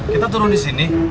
kita turun disini